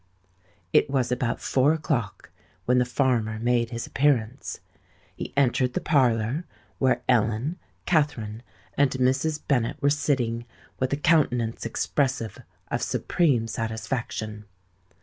It was about four o'clock when the farmer made his appearance. He entered the parlour, where Ellen, Katharine, and Mrs. Bennet were sitting, with a countenance expressive of supreme satisfaction.